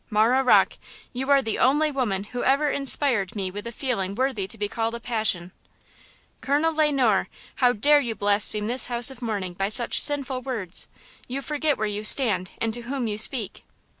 Marah Rocke, you are the only woman who ever inspired me with a feeling worthy to be called a passion–" "Colonel Le Noir, how dare you blaspheme this house of mourning by such sinful words? You forget where you stand and to whom you speak."